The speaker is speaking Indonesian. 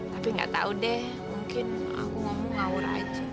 tapi gak tau deh mungkin aku ngomong ngawur aja